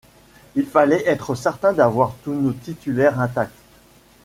Il fallait être certains d'avoir tous nos titulaires intacts.